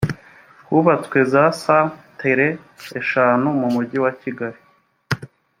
hubatswe za satere eshanu mu mujyi wa kigali